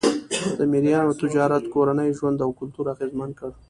د مریانو تجارت کورنی ژوند او کلتور اغېزمن کړ.